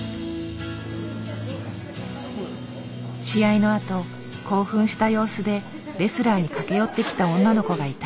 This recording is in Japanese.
試合のあと興奮した様子でレスラーに駆け寄ってきた女の子がいた。